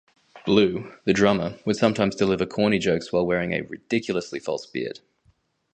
Blue, the drummer, would sometimes deliver corny jokes while wearing a ridiculously false beard.